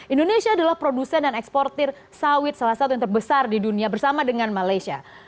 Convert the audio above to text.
indonesia adalah produsen dan eksportir sawit salah satu yang terbesar di dunia bersama dengan malaysia